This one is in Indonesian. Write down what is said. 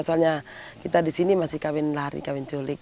soalnya kita di sini masih kawin lari kawin culik